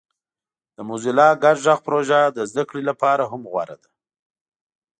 د موزیلا ګډ غږ پروژه د زده کړې لپاره هم غوره ده.